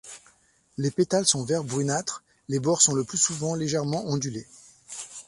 Les pétales sont vert-brunâtre, les bords sont le plus souvent légèrement ondulés.